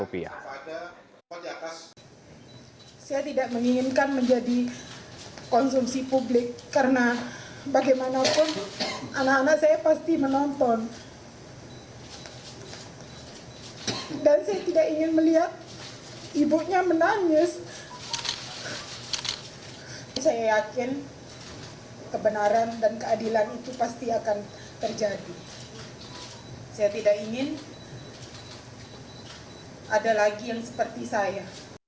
saya tidak ingin ada lagi yang seperti saya